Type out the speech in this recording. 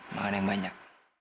makan yang banyak